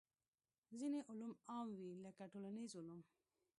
ځینې علوم عام وي لکه ټولنیز علوم.